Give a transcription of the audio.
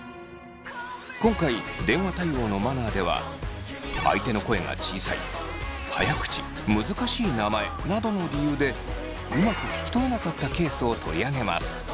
今回電話対応のマナーでは相手の声が小さい早口難しい名前などの理由でうまく聞き取れなかったケースを取り上げます。